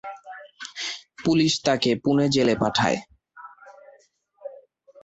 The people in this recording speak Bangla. পুলিশ তাকে পুনে জেলে পাঠায়।